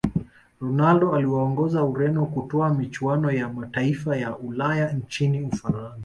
ronaldo aliwaongoza Ureno kutwaa michuano ya mataifaya ulaya nchini Ufaransa